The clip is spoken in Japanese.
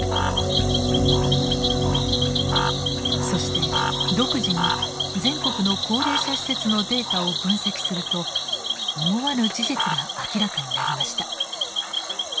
そして独自に全国の高齢者施設のデータを分析すると思わぬ事実が明らかになりました。